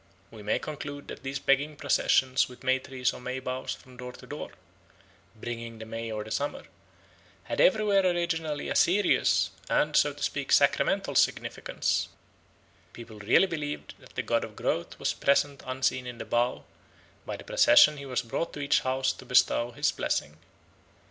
We may conclude that these begging processions with May trees or May boughs from door to door ('bringing the May or the summer') had everywhere originally a serious and, so to speak, sacramental significance; people really believed that the god of growth was present unseen in the bough; by the procession he was brought to each house to bestow his blessing.